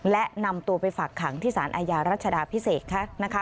และนำตัวไปฝากขังที่สารอาญารัชดาพิเศษค่ะ